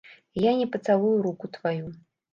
Я не пацалую руку тваю.